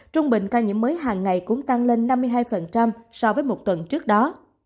trung bình ca nhiễm mới hàng ngày cũng tăng lên năm mươi hai so với một tuần trước đó